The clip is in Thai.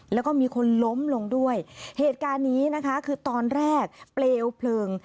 แล้วก็มีคนล้มลงด้วยเหตุการณ์นี้นะคะคือตอนแรกเปลวเพลิง